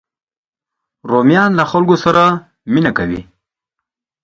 رومیان له خلکو سره مینه کوي